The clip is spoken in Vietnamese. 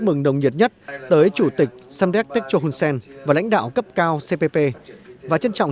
mừng nồng nhiệt nhất tới chủ tịch samdech techo hun sen và lãnh đạo cấp cao cpp và trân trọng